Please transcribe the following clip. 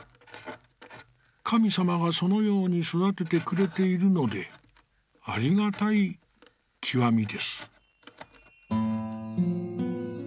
神様がそのように育ててくれているので、有難い極みです」。